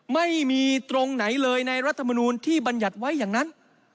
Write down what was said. ไม่มีตรงไหนเลยในรัฐมนูลที่บรรยัติไว้อย่างนั้น